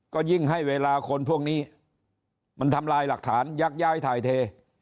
ก็ยิ่งให้เวลาคนพวกนี้มันทำลายหลักฐานยักย้ายถ่ายเท